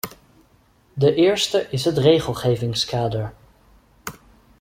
De eerste is het regelgevingskader.